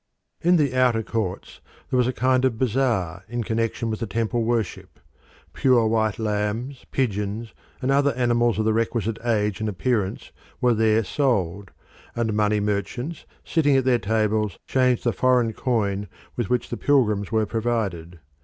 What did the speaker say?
In the outer courts there was a kind of bazaar in connection with the Temple worship. Pure white lambs, pigeons, and other animals of the requisite age and appearance were there sold, and money merchants, sitting at their tables, changed the foreign coin with which the pilgrims were provided.